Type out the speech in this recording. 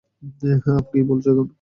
আম, কী বলছো এখন?